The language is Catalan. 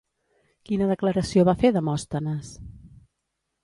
Quina declaració va fer Demòstenes?